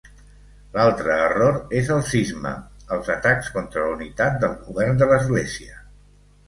L'altre error és el cisma, els atacs contra la unitat del govern de l'Església.